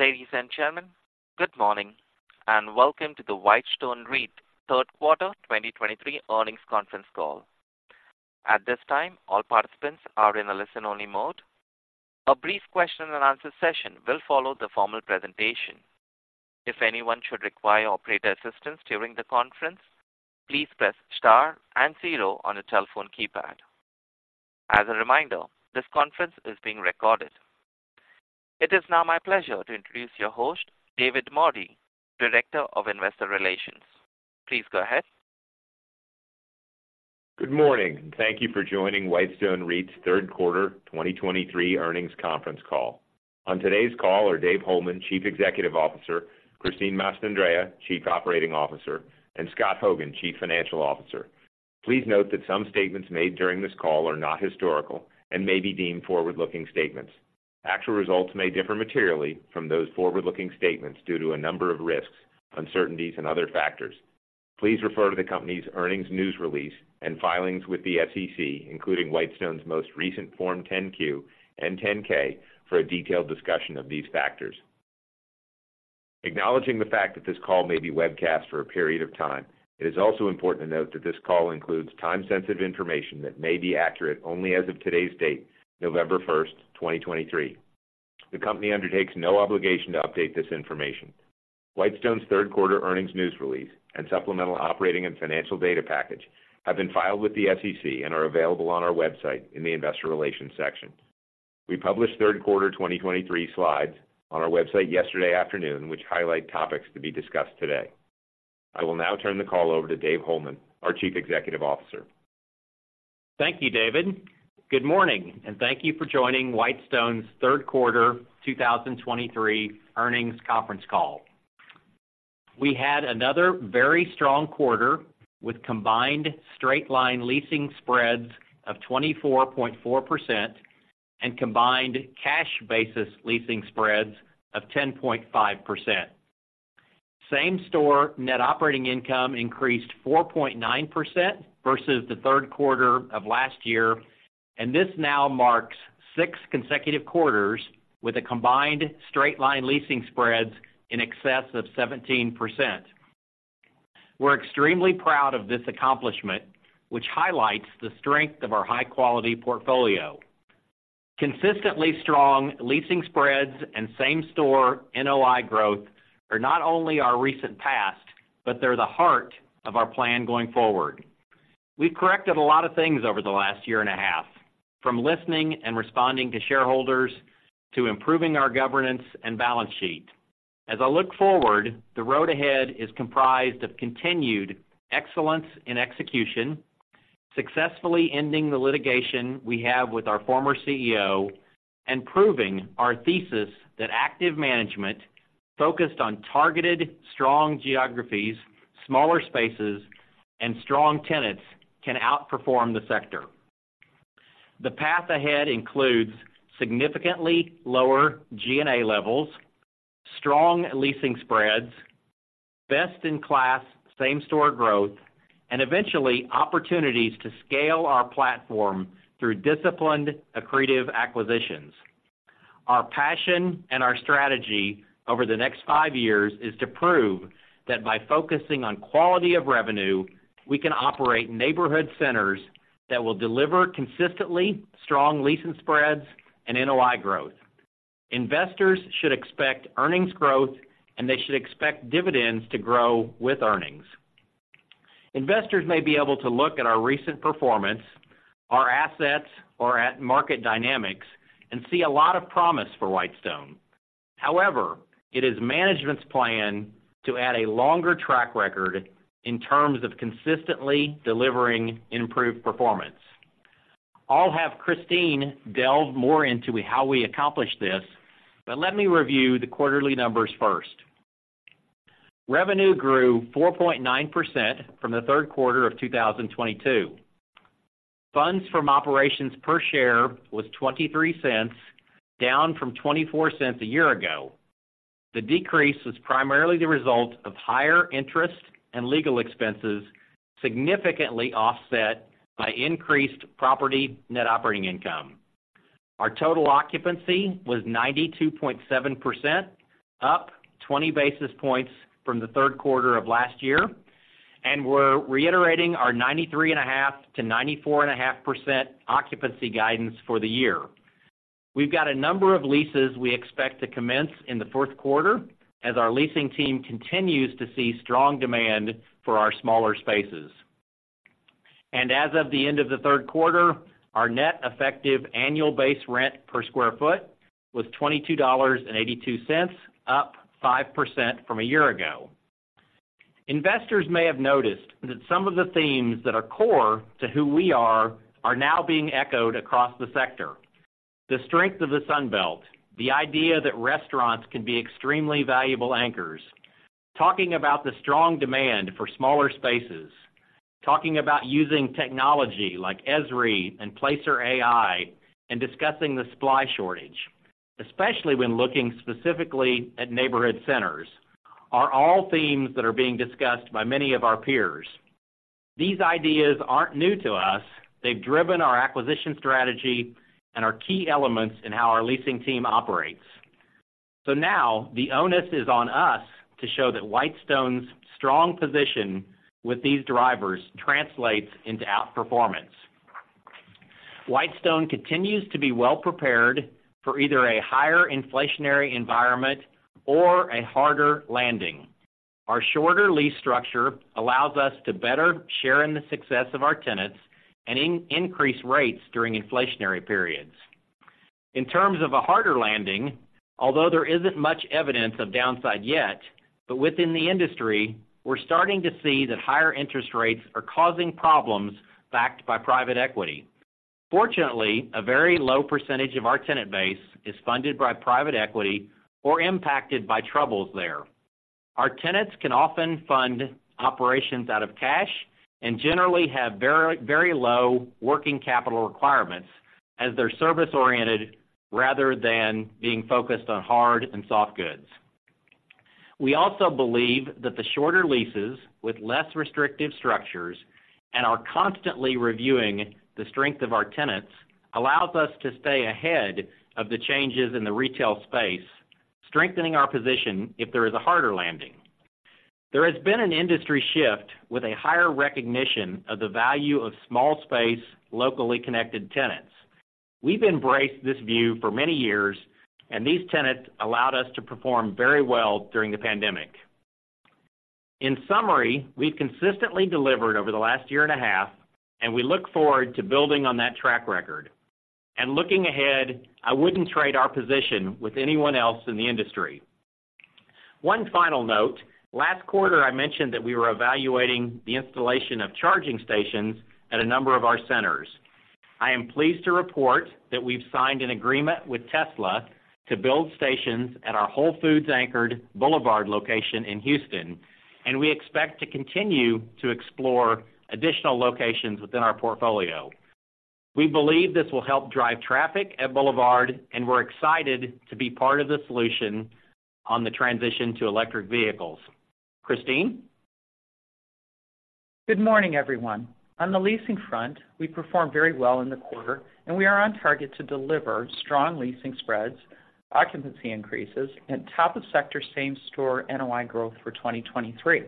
Ladies and gentlemen, good morning, and welcome to the Whitestone REIT third quarter 2023 earnings conference call. At this time, all participants are in a listen-only mode. A brief question-and-answer session will follow the formal presentation. If anyone should require operator assistance during the conference, please press star and zero on your telephone keypad. As a reminder, this conference is being recorded. It is now my pleasure to introduce your host, David Mordy, Director of Investor Relations. Please go ahead. Good morning, and thank you for joining Whitestone REIT's third quarter 2023 earnings conference call. On today's call are Dave Holeman, Chief Executive Officer, Christine Mastandrea, Chief Operating Officer, and Scott Hogan, Chief Financial Officer. Please note that some statements made during this call are not historical and may be deemed forward-looking statements. Actual results may differ materially from those forward-looking statements due to a number of risks, uncertainties, and other factors. Please refer to the company's earnings news release and filings with the SEC, including Whitestone's most recent Form 10-Q and 10-K, for a detailed discussion of these factors. Acknowledging the fact that this call may be webcast for a period of time, it is also important to note that this call includes time-sensitive information that may be accurate only as of today's date, November 1st, 2023. The company undertakes no obligation to update this information. Whitestone's third quarter earnings news release and supplemental operating and financial data package have been filed with the SEC and are available on our website in the Investor Relations section. We published third quarter 2023 slides on our website yesterday afternoon, which highlight topics to be discussed today. I will now turn the call over to Dave Holeman, our Chief Executive Officer. Thank you, David. Good morning, and thank you for joining Whitestone's third quarter 2023 earnings conference call. We had another very strong quarter, with combined straight-line leasing spreads of 24.4% and combined cash basis leasing spreads of 10.5%. Same-store net operating income increased 4.9% versus the third quarter of last year, and this now marks six consecutive quarters with a combined straight-line leasing spreads in excess of 17%. We're extremely proud of this accomplishment, which highlights the strength of our high-quality portfolio. Consistently strong leasing spreads and same-store NOI growth are not only our recent past, but they're the heart of our plan going forward. We've corrected a lot of things over the last year and a half, from listening and responding to shareholders to improving our governance and balance sheet. As I look forward, the road ahead is comprised of continued excellence in execution, successfully ending the litigation we have with our former CEO, and proving our thesis that active management focused on targeted, strong geographies, smaller spaces, and strong tenants can outperform the sector. The path ahead includes significantly lower G&A levels, strong leasing spreads, best-in-class same-store growth, and eventually, opportunities to scale our platform through disciplined, accretive acquisitions. Our passion and our strategy over the next five years is to prove that by focusing on quality of revenue, we can operate neighborhood centers that will deliver consistently strong leasing spreads and NOI growth. Investors should expect earnings growth, and they should expect dividends to grow with earnings. Investors may be able to look at our recent performance, our assets or at market dynamics and see a lot of promise for Whitestone. However, it is management's plan to add a longer track record in terms of consistently delivering improved performance. I'll have Christine delve more into how we accomplish this, but let me review the quarterly numbers first. Revenue grew 4.9% from the third quarter of 2022. Funds from operations per share was $0.23, down from $0.24 a year ago. The decrease was primarily the result of higher interest and legal expenses, significantly offset by increased property net operating income. Our total occupancy was 92.7%, up 20 basis points from the third quarter of last year, and we're reiterating our 93.5%-94.5% occupancy guidance for the year. We've got a number of leases we expect to commence in the fourth quarter, as our leasing team continues to see strong demand for our smaller spaces. As of the end of the third quarter, our net effective annual base rent per sq ft was $22.82, up 5% from a year ago. Investors may have noticed that some of the themes that are core to who we are are now being echoed across the sector. The strength of the Sun Belt, the idea that restaurants can be extremely valuable anchors, talking about the strong demand for smaller spaces, talking about using technology like Esri and Placer.ai, and discussing the supply shortage, especially when looking specifically at neighborhood centers, are all themes that are being discussed by many of our peers. These ideas aren't new to us. They've driven our acquisition strategy and are key elements in how our leasing team operates. So now the onus is on us to show that Whitestone's strong position with these drivers translates into outperformance. Whitestone continues to be well-prepared for either a higher inflationary environment or a harder landing. Our shorter lease structure allows us to better share in the success of our tenants and increase rates during inflationary periods. In terms of a harder landing, although there isn't much evidence of downside yet, but within the industry, we're starting to see that higher interest rates are causing problems backed by private equity. Fortunately, a very low percentage of our tenant base is funded by private equity or impacted by troubles there. Our tenants can often fund operations out of cash and generally have very, very low working capital requirements as they're service-oriented, rather than being focused on hard and soft goods. We also believe that the shorter leases with less restrictive structures and are constantly reviewing the strength of our tenants, allows us to stay ahead of the changes in the retail space, strengthening our position if there is a harder landing. There has been an industry shift with a higher recognition of the value of small space, locally connected tenants. We've embraced this view for many years, and these tenants allowed us to perform very well during the pandemic. In summary, we've consistently delivered over the last year and a half, and we look forward to building on that track record. And looking ahead, I wouldn't trade our position with anyone else in the industry. One final note. Last quarter, I mentioned that we were evaluating the installation of charging stations at a number of our centers. I am pleased to report that we've signed an agreement with Tesla to build stations at our Whole Foods-anchored Boulevard location in Houston, and we expect to continue to explore additional locations within our portfolio. We believe this will help drive traffic at Boulevard, and we're excited to be part of the solution on the transition to electric vehicles. Christine? Good morning, everyone. On the leasing front, we performed very well in the quarter, and we are on target to deliver strong leasing spreads, occupancy increases, and top of sector same-store NOI growth for 2023.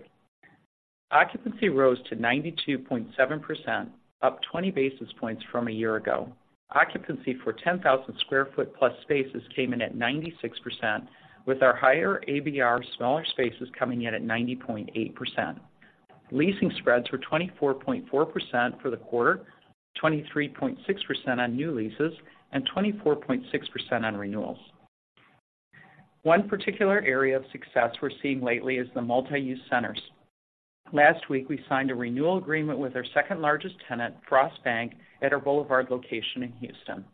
Occupancy rose to 92.7%, up 20 basis points from a year ago. Occupancy for 10,000+ sq ft spaces came in at 96%, with our higher ABR smaller spaces coming in at 90.8%. Leasing spreads were 24.4% for the quarter, 23.6% on new leases, and 24.6% on renewals. One particular area of success we're seeing lately is the multi-use centers. Last week, we signed a renewal agreement with our second-largest tenant, Frost Bank, at our Boulevard location in Houston.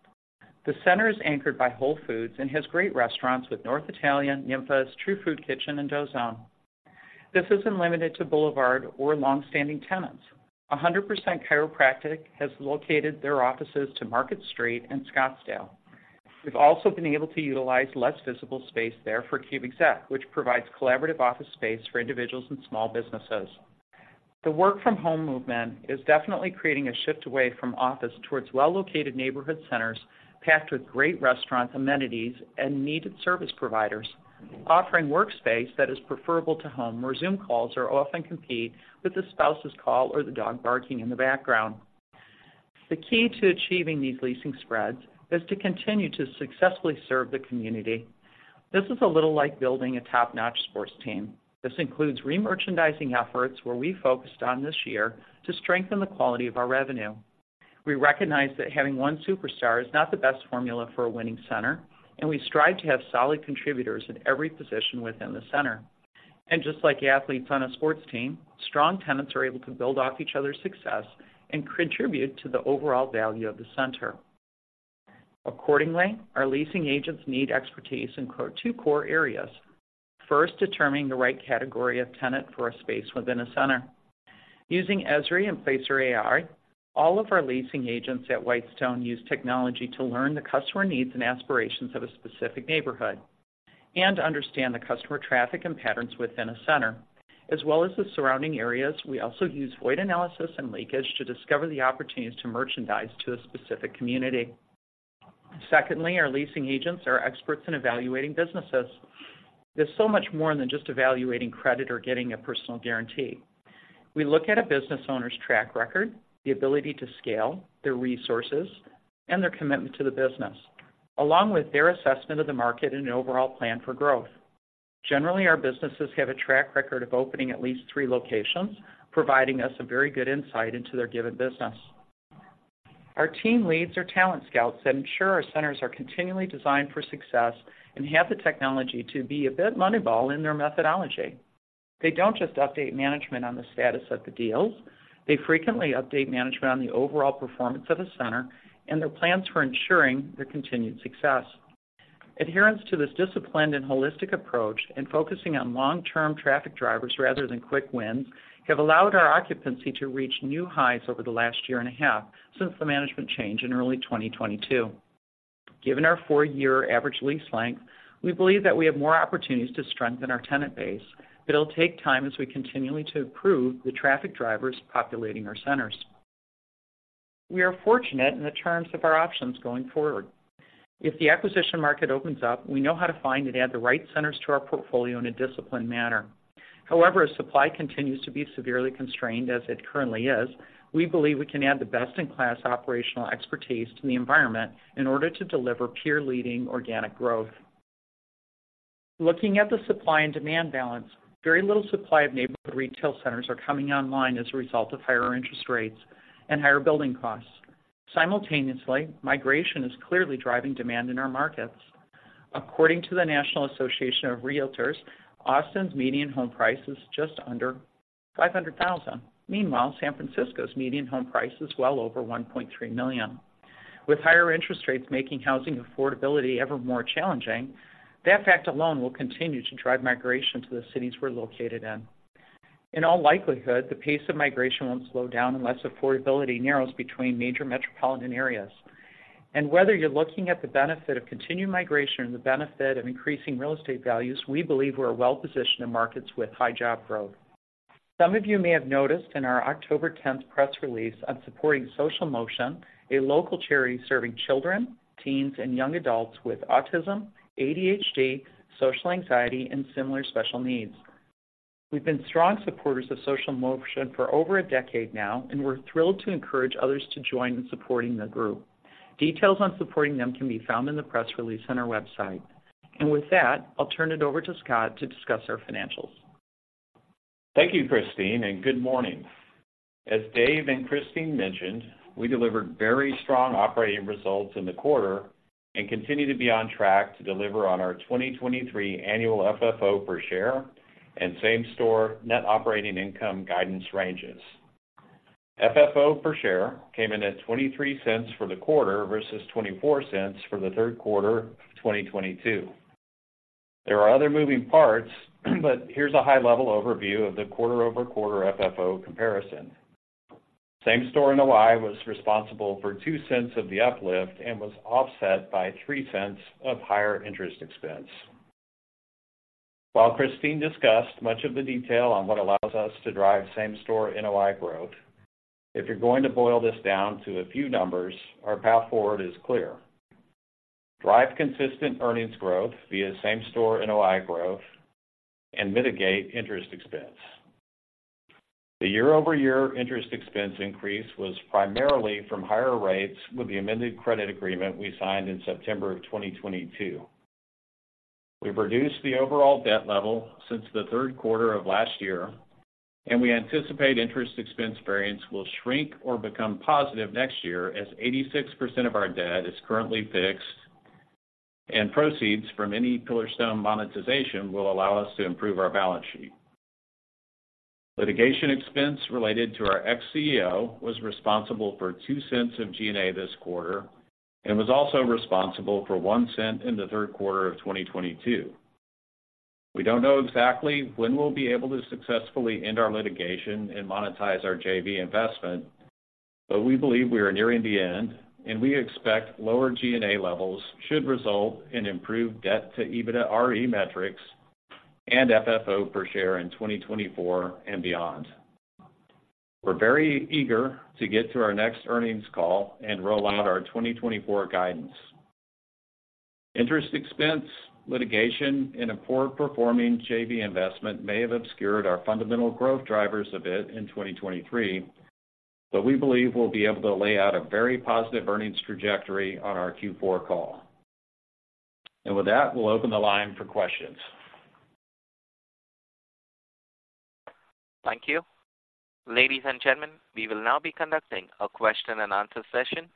The center is anchored by Whole Foods and has great restaurants with North Italia, Ninfa's, True Food Kitchen, and Dough Zone. This isn't limited to Boulevard or long-standing tenants. 100% Chiropractic has located their offices to Market Street in Scottsdale. We've also been able to utilize less visible space there for Cubexec, which provides collaborative office space for individuals and small businesses. The work-from-home movement is definitely creating a shift away from office towards well-located neighborhood centers, packed with great restaurants, amenities, and needed service providers, offering workspace that is preferable to home, where Zoom calls are often compete with the spouse's call or the dog barking in the background. The key to achieving these leasing spreads is to continue to successfully serve the community. This is a little like building a top-notch sports team. This includes remerchandising efforts, where we focused on this year to strengthen the quality of our revenue. We recognize that having one superstar is not the best formula for a winning center, and we strive to have solid contributors in every position within the center. And just like athletes on a sports team, strong tenants are able to build off each other's success and contribute to the overall value of the center. Accordingly, our leasing agents need expertise in two core areas. First, determining the right category of tenant for a space within a center. Using Esri and Placer.ai, all of our leasing agents at Whitestone use technology to learn the customer needs and aspirations of a specific neighborhood and to understand the customer traffic and patterns within a center, as well as the surrounding areas. We also use void analysis and leakage to discover the opportunities to merchandise to a specific community. Secondly, our leasing agents are experts in evaluating businesses. There's so much more than just evaluating credit or getting a personal guarantee. We look at a business owner's track record, the ability to scale, their resources, and their commitment to the business, along with their assessment of the market and overall plan for growth. Generally, our businesses have a track record of opening at least three locations, providing us a very good insight into their given business. Our team leads our talent scouts and ensure our centers are continually designed for success and have the technology to be a bit Moneyball in their methodology. They don't just update management on the status of the deals. They frequently update management on the overall performance of the center and their plans for ensuring their continued success. Adherence to this disciplined and holistic approach and focusing on long-term traffic drivers rather than quick wins, have allowed our occupancy to reach new highs over the last year and a half since the management change in early 2022. Given our four-year average lease length, we believe that we have more opportunities to strengthen our tenant base, but it'll take time as we continually to improve the traffic drivers populating our centers. We are fortunate in the terms of our options going forward. If the acquisition market opens up, we know how to find and add the right centers to our portfolio in a disciplined manner. However, as supply continues to be severely constrained as it currently is, we believe we can add the best-in-class operational expertise to the environment in order to deliver peer-leading organic growth. Looking at the supply and demand balance, very little supply of neighborhood retail centers are coming online as a result of higher interest rates and higher building costs. Simultaneously, migration is clearly driving demand in our markets. According to the National Association of REALTORS, Austin's median home price is just under $500,000. Meanwhile, San Francisco's median home price is well over $1.3 million. With higher interest rates making housing affordability ever more challenging, that fact alone will continue to drive migration to the cities we're located in. In all likelihood, the pace of migration won't slow down unless affordability narrows between major metropolitan areas. Whether you're looking at the benefit of continued migration or the benefit of increasing real estate values, we believe we're well positioned in markets with high job growth. Some of you may have noticed in our October 10th press release on supporting Social Motion, a local charity serving children, teens, and young adults with autism, ADHD, social anxiety, and similar special needs. We've been strong supporters of Social Motion for over a decade now, and we're thrilled to encourage others to join in supporting the group. Details on supporting them can be found in the press release on our website. And with that, I'll turn it over to Scott to discuss our financials. Thank you, Christine, and good morning. As Dave and Christine mentioned, we delivered very strong operating results in the quarter and continue to be on track to deliver on our 2023 annual FFO per share and same-store net operating income guidance ranges. FFO per share came in at $0.23 for the quarter versus $0.24 for the third quarter of 2022. There are other moving parts, but here's a high-level overview of the quarter-over-quarter FFO comparison. Same-store NOI was responsible for $0.02 of the uplift and was offset by $0.03 of higher interest expense. While Christine discussed much of the detail on what allows us to drive same-store NOI growth, if you're going to boil this down to a few numbers, our path forward is clear. Drive consistent earnings growth via same-store NOI growth and mitigate interest expense. The year-over-year interest expense increase was primarily from higher rates with the amended credit agreement we signed in September 2022. We've reduced the overall debt level since the third quarter of last year, and we anticipate interest expense variance will shrink or become positive next year, as 86% of our debt is currently fixed, and proceeds from any Pillarstone monetization will allow us to improve our balance sheet. Litigation expense related to our ex-CEO was responsible for $0.02 of G&A this quarter and was also responsible for $0.01 in the third quarter of 2022. We don't know exactly when we'll be able to successfully end our litigation and monetize our JV investment, but we believe we are nearing the end, and we expect lower G&A levels should result in improved debt to EBITDAre metrics and FFO per share in 2024 and beyond. We're very eager to get to our next earnings call and roll out our 2024 guidance. Interest expense, litigation, and a poor-performing JV investment may have obscured our fundamental growth drivers a bit in 2023, but we believe we'll be able to lay out a very positive earnings trajectory on our Q4 call. With that, we'll open the line for questions. Thank you. Ladies and gentlemen, we will now be conducting a question-and-answer session.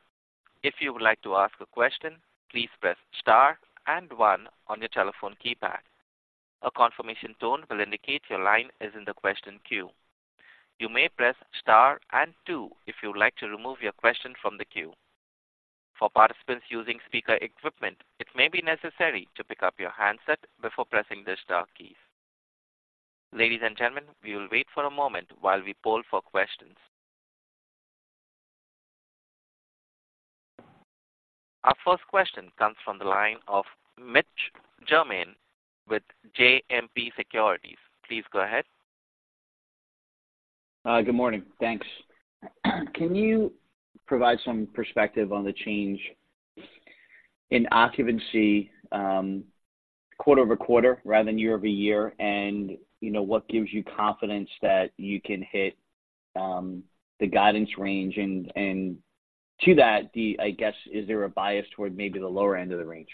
If you would like to ask a question, please press star and one on your telephone keypad. A confirmation tone will indicate your line is in the question queue. You may press star and two if you would like to remove your question from the queue. For participants using speaker equipment, it may be necessary to pick up your handset before pressing the star keys. Ladies and gentlemen, we will wait for a moment while we poll for questions. Our first question comes from the line of Mitch Germain with JMP Securities. Please go ahead. Good morning. Thanks. Can you provide some perspective on the change in occupancy, quarter-over-quarter rather than year-over-year? And, you know, what gives you confidence that you can hit the guidance range? And to that, I guess, is there a bias toward maybe the lower end of the range?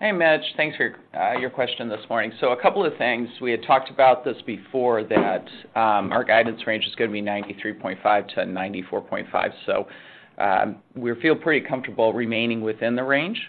Hey, Mitch, thanks for your question this morning. So a couple of things. We had talked about this before, that our guidance range is gonna be $93.5-$94.5. So, we feel pretty comfortable remaining within the range.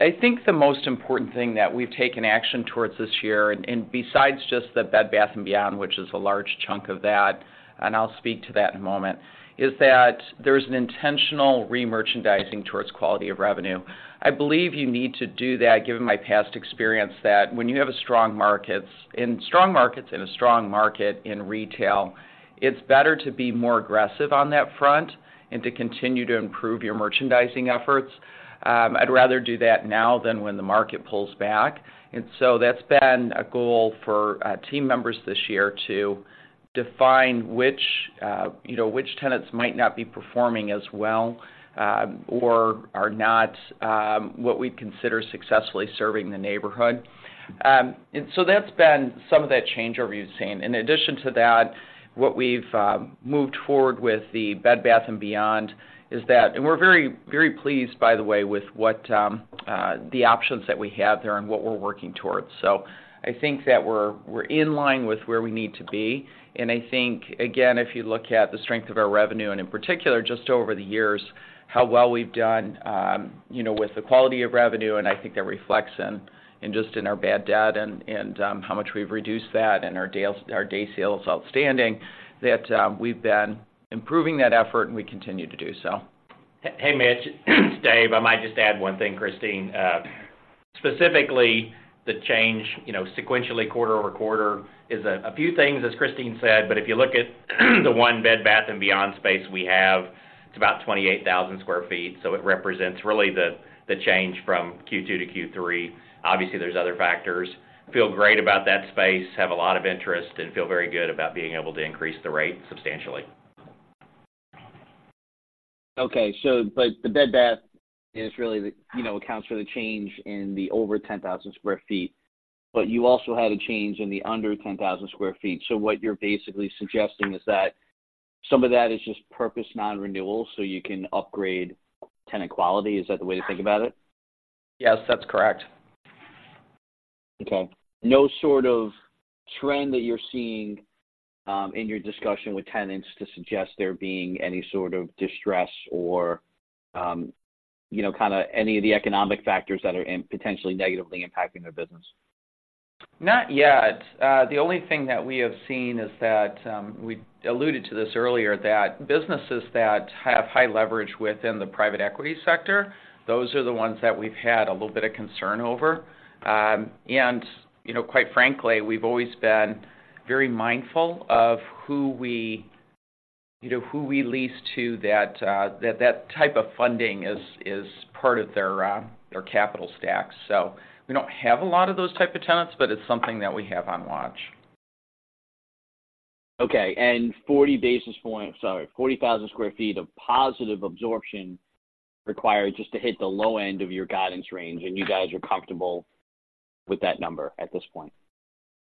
I think the most important thing that we've taken action towards this year, and besides just the Bed Bath & Beyond, which is a large chunk of that, and I'll speak to that in a moment, is that there's an intentional remerchandising towards quality of revenue. I believe you need to do that, given my past experience, that when you have a strong markets, in strong markets, in a strong market in retail, it's better to be more aggressive on that front and to continue to improve your merchandising efforts. I'd rather do that now than when the market pulls back. And so that's been a goal for team members this year to define which, you know, which tenants might not be performing as well, or are not what we'd consider successfully serving the neighborhood. And so that's been some of that changeover you've seen. In addition to that, what we've moved forward with the Bed Bath & Beyond is that—and we're very, very pleased, by the way, with what the options that we have there and what we're working towards. So I think that we're in line with where we need to be, and I think, again, if you look at the strength of our revenue, and in particular, just over the years, how well we've done, you know, with the quality of revenue, and I think that reflects in just our bad debt and how much we've reduced that and our days sales outstanding, that we've been improving that effort, and we continue to do so. Hey, Mitch, it's Dave. I might just add one thing, Christine. Specifically, the change, you know, sequentially, quarter-over-quarter, is a few things, as Christine said, but if you look at the one Bed Bath & Beyond space we have, it's about 28,000 sq ft, so it represents really the change from Q2 to Q3. Obviously, there's other factors. Feel great about that space, have a lot of interest and feel very good about being able to increase the rate substantially. Okay. So but the Bed Bath is really the, you know, accounts for the change in the over 10,000 sq ft, but you also had a change in the under 10,000 sq ft. So what you're basically suggesting is that some of that is just purpose non-renewal, so you can upgrade tenant quality? Is that the way to think about it? Yes, that's correct. Okay. No sort of trend that you're seeing, in your discussion with tenants to suggest there being any sort of distress or, you know, kind of any of the economic factors that are potentially negatively impacting their business? Not yet. The only thing that we have seen is that, we alluded to this earlier, that businesses that have high leverage within the private equity sector, those are the ones that we've had a little bit of concern over. And you know, quite frankly, we've always been very mindful of who we, you know, who we lease to that, that type of funding is part of their, their capital stack. So we don't have a lot of those type of tenants, but it's something that we have on watch. Okay. And 40 basis points—sorry, 40,000 sq ft of positive absorption required just to hit the low end of your guidance range, and you guys are comfortable with that number at this point?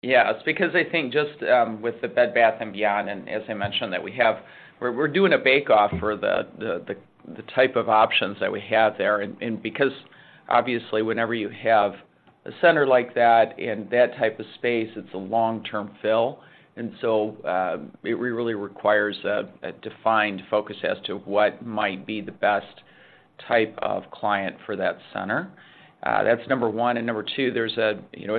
Yes, because I think just with the Bed Bath & Beyond, and as I mentioned, that we have-- we're doing a bake off for the type of options that we have there. And because, obviously, whenever you have a center like that in that type of space, it's a long-term fill, and so it really requires a defined focus as to what might be the best type of client for that center. That's number one, and number two, there's a, you know,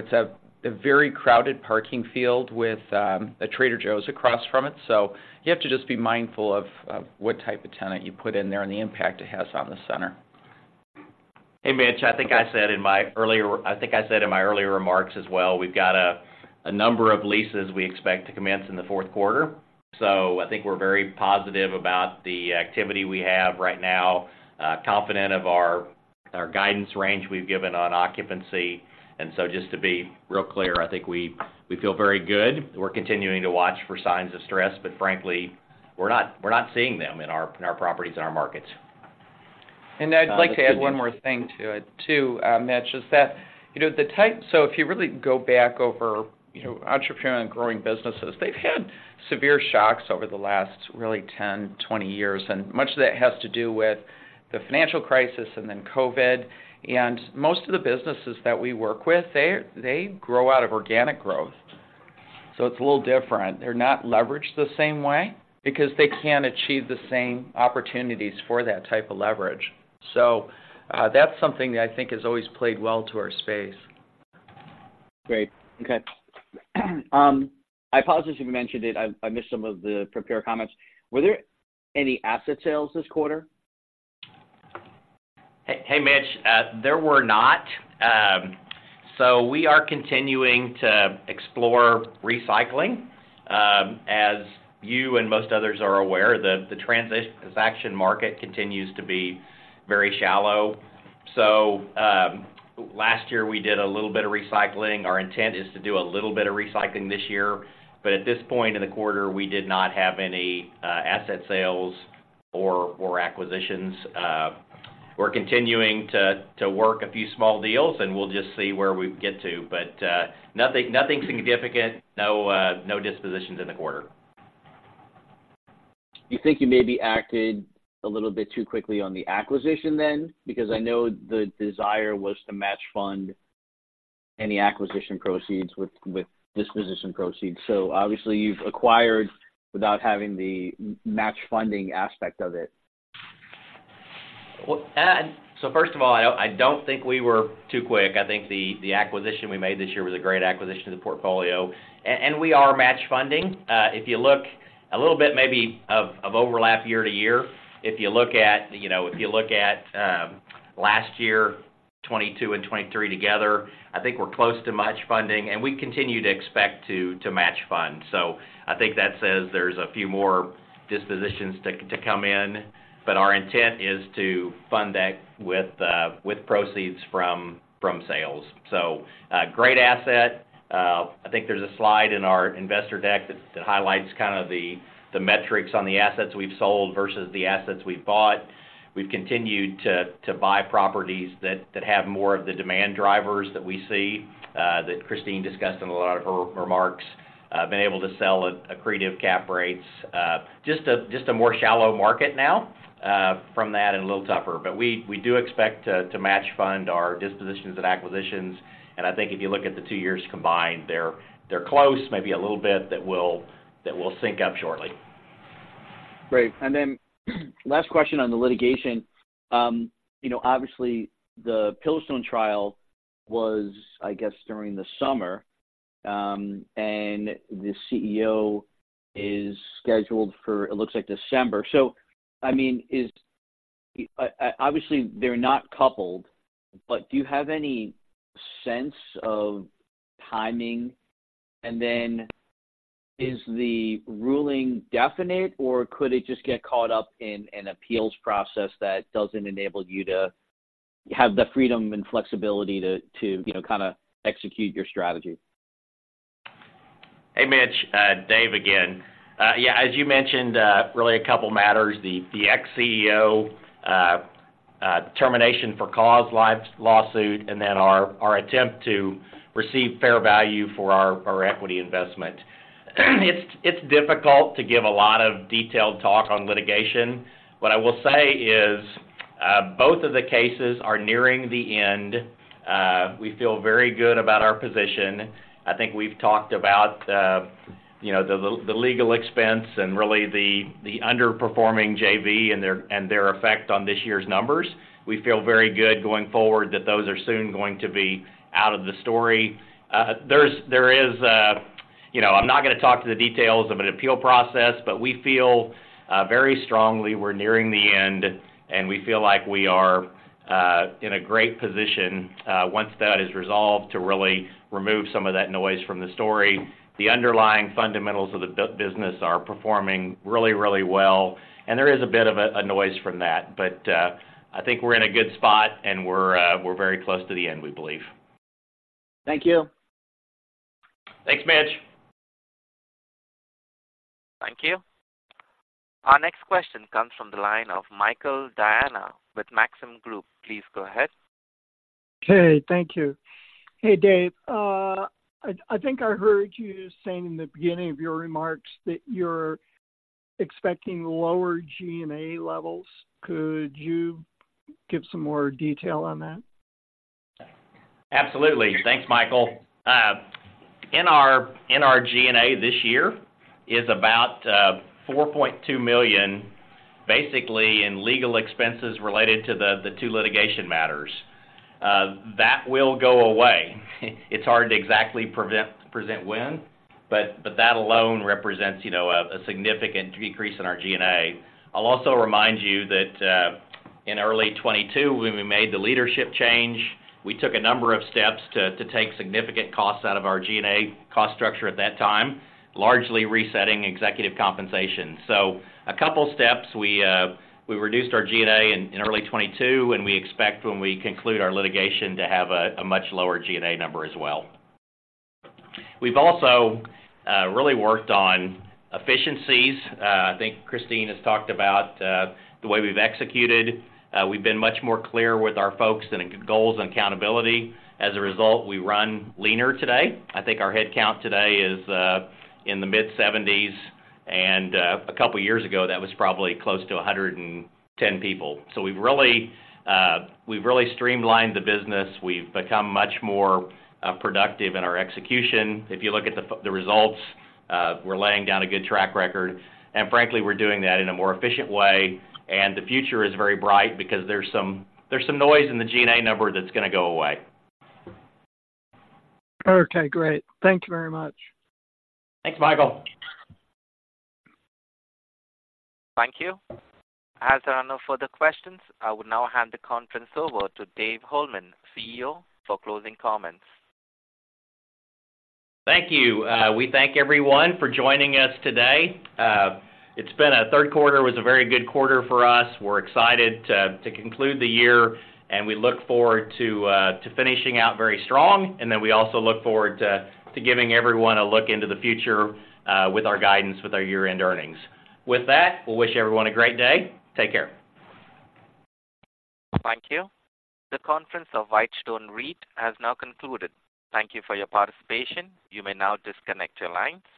it's a very crowded parking field with a Trader Joe's across from it, so you have to just be mindful of what type of tenant you put in there and the impact it has on the center. Hey, Mitch, I think I said in my earlier remarks as well, we've got a number of leases we expect to commence in the fourth quarter. So I think we're very positive about the activity we have right now, confident of our guidance range we've given on occupancy. And so just to be real clear, I think we feel very good. We're continuing to watch for signs of stress, but frankly, we're not seeing them in our properties, in our markets. I'd like to add one more thing to it, too, Mitch, is that, you know, the type—so if you really go back over, you know, entrepreneur and growing businesses, they've had severe shocks over the last really 10, 20 years, and much of that has to do with the financial crisis and then COVID. And most of the businesses that we work with, they grow out of organic growth, so it's a little different. They're not leveraged the same way because they can't achieve the same opportunities for that type of leverage. So, that's something that I think has always played well to our space. Great. Okay. I apologize if you mentioned it, I missed some of the prepared comments. Were there any asset sales this quarter? Hey, Mitch, there were not. So we are continuing to explore recycling. As you and most others are aware, the transaction market continues to be very shallow. So last year, we did a little bit of recycling. Our intent is to do a little bit of recycling this year, but at this point in the quarter, we did not have any asset sales or acquisitions. We're continuing to work a few small deals, and we'll just see where we get to. But nothing significant, no dispositions in the quarter. You think you may have acted a little bit too quickly on the acquisition then? Because I know the desire was to match fund any acquisition proceeds with disposition proceeds. So obviously, you've acquired without having the match funding aspect of it. Well, so first of all, I don't think we were too quick. I think the acquisition we made this year was a great acquisition of the portfolio, and we are match funding. If you look a little bit maybe of overlap year to year, if you look at, you know, if you look at last year, 2022 and 2023 together, I think we're close to match funding, and we continue to expect to match fund. So I think that says there's a few more dispositions to come in, but our intent is to fund that with proceeds from sales. So, great asset. I think there's a slide in our investor deck that highlights kind of the metrics on the assets we've sold versus the assets we've bought. We've continued to buy properties that have more of the demand drivers that we see that Christine discussed in a lot of her remarks. Been able to sell at accretive cap rates. Just a more shallow market now, from that and a little tougher. But we do expect to match fund our dispositions and acquisitions, and I think if you look at the two years combined, they're close, maybe a little bit, that will sync up shortly. Great. And then, last question on the litigation. You know, obviously, the Pillarstone trial was, I guess, during the summer, and the CEO is scheduled for, it looks like December. So, I mean, obviously, they're not coupled, but do you have any sense of timing? And then, is the ruling definite, or could it just get caught up in an appeals process that doesn't enable you to have the freedom and flexibility to, you know, kinda execute your strategy? Hey, Mitch, Dave again. Yeah, as you mentioned, really a couple matters. The, the ex-CEO, termination for cause lawsuit, and then our, our attempt to receive fair value for our, our equity investment. It's, it's difficult to give a lot of detailed talk on litigation. What I will say is, both of the cases are nearing the end. We feel very good about our position. I think we've talked about, you know, the, the legal expense and really the, the underperforming JV and their, and their effect on this year's numbers. We feel very good going forward that those are soon going to be out of the story. There is a, you know, I'm not gonna talk to the details of an appeal process, but we feel very strongly we're nearing the end, and we feel like we are in a great position, once that is resolved, to really remove some of that noise from the story. The underlying fundamentals of the business are performing really, really well, and there is a bit of a noise from that. But, I think we're in a good spot, and we're very close to the end, we believe. Thank you. Thanks, Mitch. Thank you. Our next question comes from the line of Michael Diana with Maxim Group. Please go ahead. Hey, thank you. Hey, Dave. I think I heard you saying in the beginning of your remarks that you're expecting lower G&A levels. Could you give some more detail on that? Absolutely. Thanks, Michael. In our G&A this year is about $4.2 million, basically in legal expenses related to the two litigation matters. That will go away. It's hard to exactly present when, but that alone represents, you know, a significant decrease in our G&A. I'll also remind you that in early 2022, when we made the leadership change, we took a number of steps to take significant costs out of our G&A cost structure at that time, largely resetting executive compensation. So a couple steps, we reduced our G&A in early 2022, and we expect when we conclude our litigation, to have a much lower G&A number as well. We've also really worked on efficiencies. I think Christine has talked about the way we've executed. We've been much more clear with our folks in goals and accountability. As a result, we run leaner today. I think our headcount today is in the mid-70s, and a couple years ago, that was probably close to 110 people. So we've really, we've really streamlined the business. We've become much more productive in our execution. If you look at the results, we're laying down a good track record, and frankly, we're doing that in a more efficient way, and the future is very bright because there's some, there's some noise in the G&A number that's gonna go away. Okay, great. Thank you very much. Thanks, Michael. Thank you. As there are no further questions, I will now hand the conference over to Dave Holeman, CEO, for closing comments. Thank you. We thank everyone for joining us today. It's been a third quarter, was a very good quarter for us. We're excited to conclude the year, and we look forward to finishing out very strong. And then we also look forward to giving everyone a look into the future, with our guidance, with our year-end earnings. With that, we'll wish everyone a great day. Take care. Thank you. The conference of Whitestone REIT has now concluded. Thank you for your participation. You may now disconnect your lines.